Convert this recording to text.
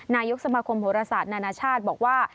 นายกสมาคมโหรศาสตร์นานาชาติบอกว่า